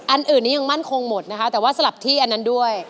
อื่นนี้ยังมั่นคงหมดนะคะแต่ว่าสลับที่อันนั้นด้วย